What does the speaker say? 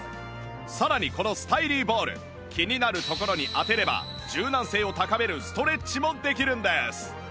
さらにこのスタイリーボール気になる所に当てれば柔軟性を高めるストレッチもできるんです